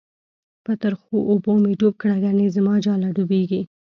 په ترخو اوبو می ډوب کړه، گڼی زماجاله ډوبیږی